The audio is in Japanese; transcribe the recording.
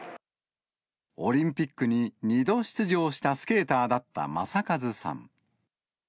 オリンピックに２度出場したスケーターだった正和さん。